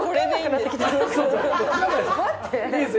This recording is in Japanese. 待って！